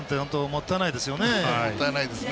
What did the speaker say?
もったいないですね。